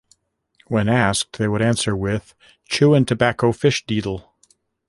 When asked, they would answer with "Chewin' Tobacco Fish Deedle".